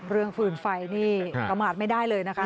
เรื่องฟื้นไฟนี่ประมาทไม่ได้เลยนะคะ